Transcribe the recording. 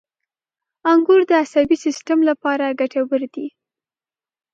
• انګور د عصبي سیستم لپاره ګټور دي.